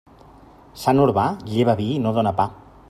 Sant Urbà, lleva vi i no dóna pa.